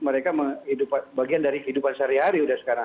mereka bagian dari kehidupan sehari hari udah sekarang